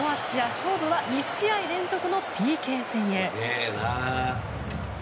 勝負は２試合連続のＰＫ戦へ。